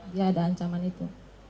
dia ada ancaman itu